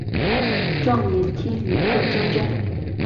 壮年听雨客舟中。